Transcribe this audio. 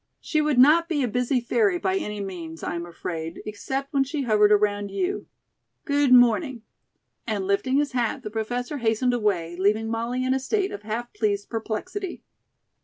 She would not be a busy fairy by any means, I am afraid, except when she hovered around you. Good morning," and lifting his hat, the Professor hastened away, leaving Molly in a state of half pleased perplexity.